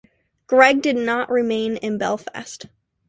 Greg did not remain in Belfast.